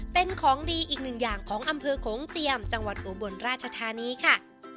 เป็นของดีอีกหนึ่งอย่างของอำเภอโขงเตียมจังหวัดอุบลราชธานีค่ะ